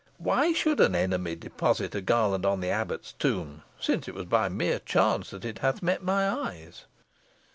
"Why should an enemy deposit a garland on the abbot's tomb, since it was by mere chance that it hath met my eyes?"